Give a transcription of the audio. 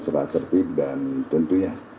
secara tertib dan tentunya